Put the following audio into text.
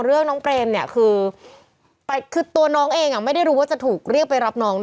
เรื่องน้องเปรมเนี่ยคือตัวน้องเองไม่ได้รู้ว่าจะถูกเรียกไปรับน้อง